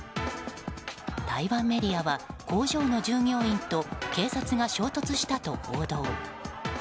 台湾メディアは工場の従業員と警察が衝突したと報道。